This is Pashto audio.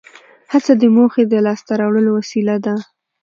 هڅه د موخې د لاس ته راوړلو وسیله ده.